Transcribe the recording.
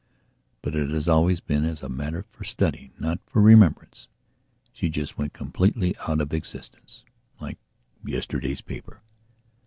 But it has always been as a matter for study, not for remembrance. She just went completely out of existence, like yesterday's paper.